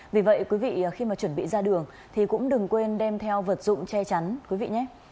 vì vậy quý vị khi mà chuẩn bị ra đường thì cũng đừng quên đem theo vật dụng che chắn